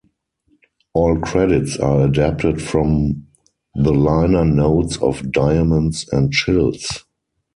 All credits are adapted from the liner notes of "Diamonds and Chills".